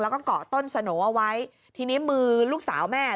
แล้วก็เกาะต้นสโหน่เอาไว้ทีนี้มือลูกสาวแม่